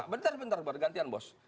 bentar bentar bergantian bos